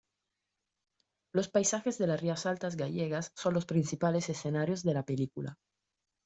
Los paisajes de las rías altas gallegas son los principales escenarios de la película.